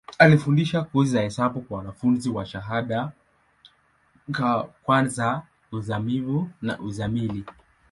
Alifundisha kozi za hesabu kwa wanafunzi wa shahada ka kwanza, uzamivu na uzamili.